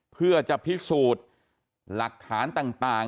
เพื่อจะพิสูจน์หลักฐานต่าง